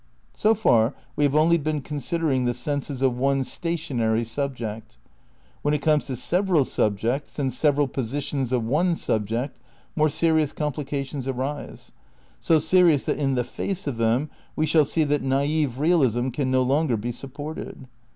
So far we have only been considering the senses of one stationary subject. When it comes to several sub jects and several positions of one subject more serious complications arise ; so serious that in the face of them we shall see that naif realism can no longer be sup ported.